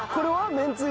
めんつゆ。